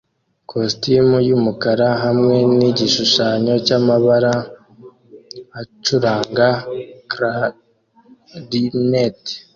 kositimu yumukara hamwe nigishushanyo cyamabara acuranga Clarinet